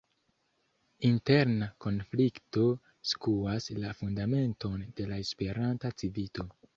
Interna konflikto skuas la fundamenton de la Esperanta Civito.